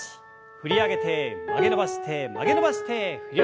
振り上げて曲げ伸ばして曲げ伸ばして振り下ろす。